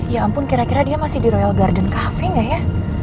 ya ampun kira kira dia masih di royal garden cafe gak ya